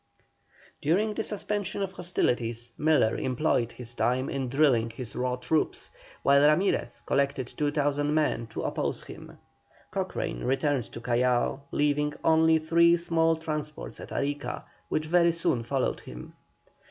During the suspension of hostilities Miller employed his time in drilling his raw troops, while Ramirez collected 2,000 men to oppose him; Cochrane returned to Callao, leaving only three small transports at Arica, which very soon followed him.